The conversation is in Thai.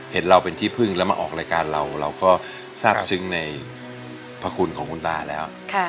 เห็นเราเป็นที่พึ่งแล้วมาออกรายการเราเราก็ทราบซึ้งในพระคุณของคุณตาแล้ว